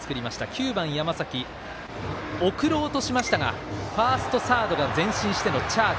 ９番、山崎送ろうとしましたがファースト、サードが前進してのチャージ。